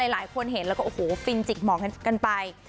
หลายคนเห็นแล้วก็โอ้โหฟินจิกหมองกันไป